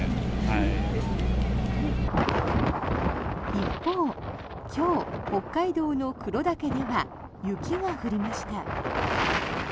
一方、今日、北海道の黒岳では雪が降りました。